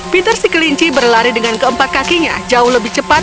peter si kelinci berlari dengan keempat kakinya jauh lebih cepat